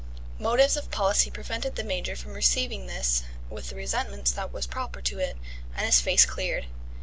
Motives of policy prevented the Major from receiving this with the resentment that was proper to it, and his face cleared.